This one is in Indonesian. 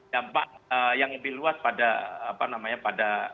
dampak yang lebih luas pada apa namanya pada